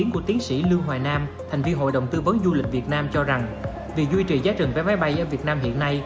quy định việc bỏ giá trần